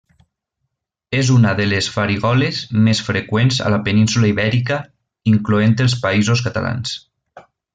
És una de les farigoles més freqüents a la península Ibèrica incloent els Països Catalans.